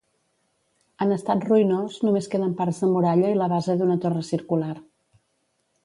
En estat ruïnós, només queden parts de muralla i la base d'una torre circular.